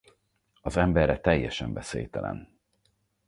Az emberre teljesen veszélytelen.